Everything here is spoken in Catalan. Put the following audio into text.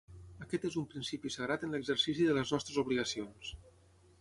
Aquest és un principi sagrat en l’exercici de les nostres obligacions.